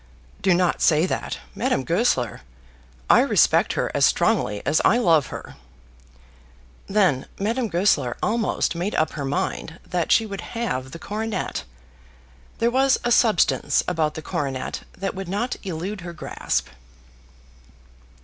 "Do not say that, Madame Goesler. I respect her as strongly as I love her." Then Madame Goesler almost made up her mind that she would have the coronet. There was a substance about the coronet that would not elude her grasp.